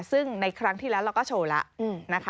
ซึ่งในครั้งที่แล้วเราก็โชว์แล้วนะคะ